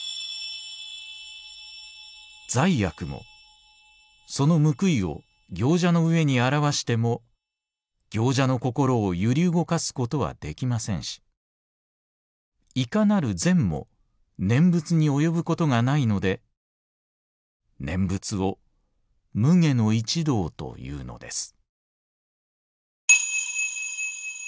罪悪もその報いを行者の上に表しても行者の心を揺り動かすことはできませんしいかなる善も念仏に及ぶことがないので念仏を無礙の一道と言うのです」。